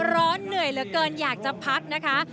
เหนื่อยเหลือเกินอยากจะพักนะคะ